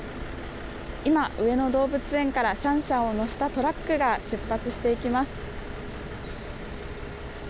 今、上野動物園からシャンシャンを乗せたトラックが出発していきます。